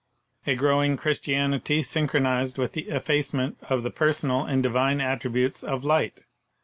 A growing Christianity synchronized with the effacement of the personal and divine attributes of Light.